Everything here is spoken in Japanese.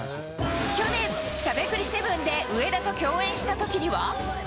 去年、しゃべくり００７で、上田と共演したときには。